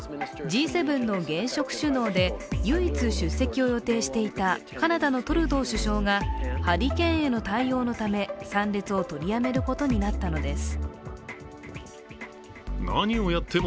Ｇ７の現職首脳で唯一出席を予定していたカナダのトルドー首相がハリケーンへの対応のため参列を取りやめることになったのです。